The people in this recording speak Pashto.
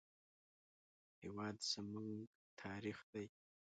هېواد زموږ تاریخ دی